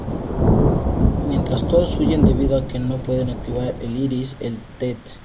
Mientras todos huyen debido a que no pueden activar el Iris, el Tte.